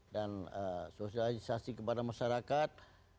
dan sosialisasi kepada masyarakat